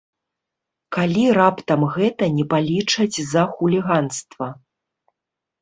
Калі раптам гэта не палічаць за хуліганства.